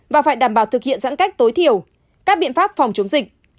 và phải đảm bảo thực hiện giãn cách tối thiểu các biện pháp phòng chống dịch